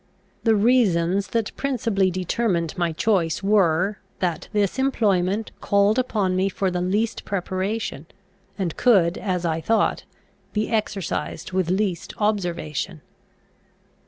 The reasons that principally determined my choice were, that this employment called upon me for the least preparation, and could, as I thought, be exercised with least observation.